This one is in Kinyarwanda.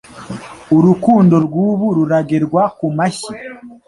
Urukundo rw'ubu ruragerwa k'amashyi